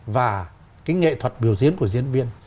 và cái nghệ thuật biểu diễn của diễn viên